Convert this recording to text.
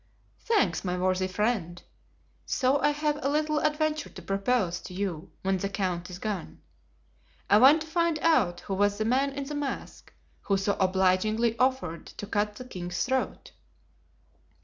"Thanks, my worthy friend. So I have a little adventure to propose to you when the count is gone. I want to find out who was the man in the mask, who so obligingly offered to cut the king's throat."